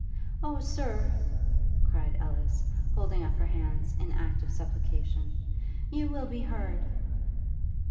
'O Sir!' cried Ellis, holding up her hands in act of supplication, 'you will be heard!'